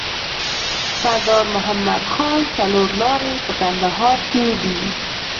سرداد مدخان څلور لاری په کندهار ښار کي دی.